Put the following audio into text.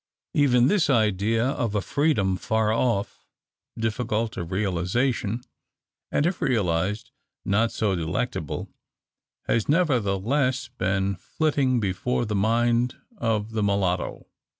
Even this idea of a freedom far off, difficult of realisation, and if realised not so delectable, has nevertheless been flitting before the mind of the mulatto.